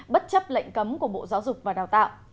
bất chấp lệnh cấm của bộ giáo dục và đào tạo